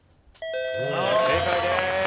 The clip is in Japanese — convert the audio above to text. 正解です。